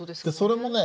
それもね